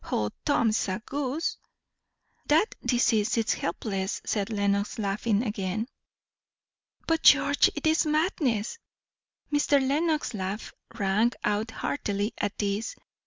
O, Tom's a goose!" "That disease is helpless," said Lenox, laughing again. "But George, it is madness!" Mr. Lenox's laugh rang out heartily at this.